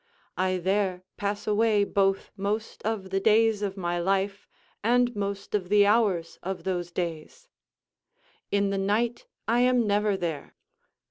I there pass away both most of the days of my life and most of the hours of those days. In the night I am never there.